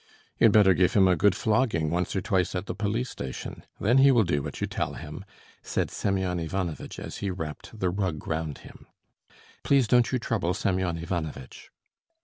"You'd better give him a good flogging once or twice at the police station, then he will do what you tell him," said Semyon Ivanovitch, as he wrapped the rug round him. "Please don't you trouble, Semyon Ivanovitch!"